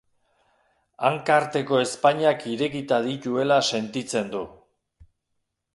Hanka arteko ezpainak irekita dituela sentitzen du.